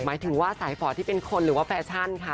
หมายถึงว่าสายฟอร์ตที่เป็นคนหรือว่าแฟชั่นค่ะ